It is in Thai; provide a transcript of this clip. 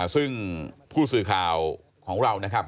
ซึ่งผู้สื่อข่าวของเรานะครับ